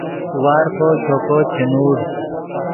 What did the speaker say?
وارفو چوکو چے نوڑ